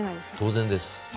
当然です。